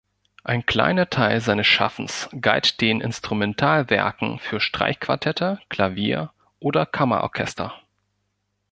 Ein kleiner Teil seines Schaffens galt den Instrumentalwerken für Streichquartette, Klavier oder Kammerorchester.